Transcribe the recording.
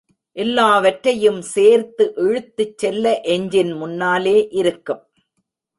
எல்லாவற்றையும் சேர்த்து இழுத்துச் செல்ல எஞ்சின் முன்னாலே இருக்கும்.